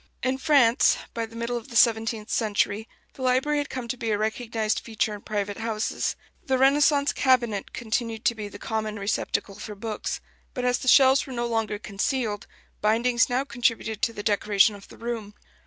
In France, by the middle of the seventeenth century, the library had come to be a recognized feature in private houses. The Renaissance cabinet continued to be the common receptacle for books; but as the shelves were no longer concealed, bindings now contributed to the decoration of the room.